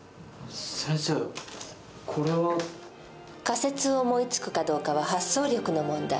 先生これは。仮説を思いつくかどうかは発想力の問題。